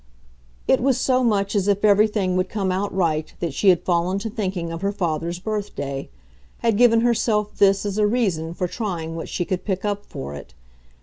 It was so much as if everything would come out right that she had fallen to thinking of her father's birthday, had given herself this as a reason for trying what she could pick up for it.